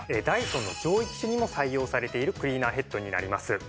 ダイソンの上位機種にも採用されているクリーナーヘッドになります。